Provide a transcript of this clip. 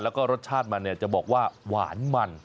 แล้วก็รสชาติมันจะบอกว่าหวานมัน